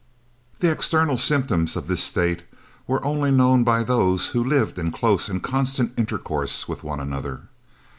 The external symptoms of this state were only known by those who lived in close and constant intercourse with one another.